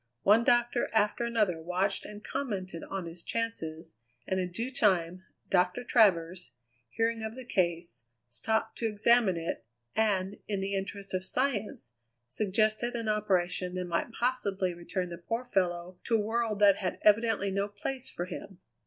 One doctor after another watched and commented on his chances, and in due time Doctor Travers, hearing of the case, stopped to examine it, and, in the interest of science, suggested an operation that might possibly return the poor fellow to a world that had evidently no place for him.